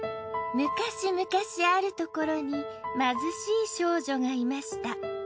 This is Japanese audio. むかしむかしあるところに貧しい少女がいました。